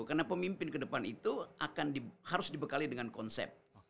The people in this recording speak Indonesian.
karena pemimpin kedepan itu harus dibekali dengan konsep